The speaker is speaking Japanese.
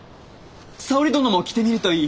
沙織殿も着てみるといい。